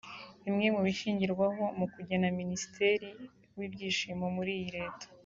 Bimwe mu bishingirwaho mu kugena Minisitiri w’Ibyishimo muri iyi Leta